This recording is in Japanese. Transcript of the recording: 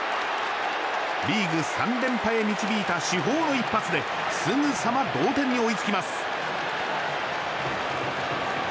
リーグ３連覇へ導いた主砲の一発ですぐさま同点に追いつきます。